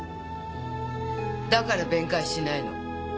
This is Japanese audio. だから弁解しないの？